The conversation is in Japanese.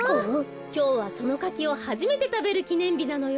きょうはそのかきをはじめてたべるきねんびなのよ。